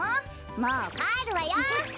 もうかえるわよ。